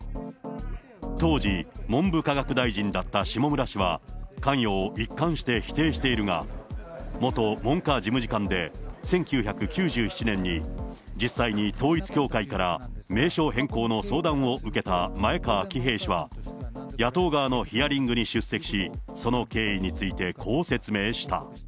当時、文部科学大臣だった下村氏は関与を一貫して否定しているが、元文科事務次官で、１９９７年に実際に統一教会から名称変更の相談を受けた前川喜平氏は、野党側のヒアリングに出席し、その経緯についてこう説明した。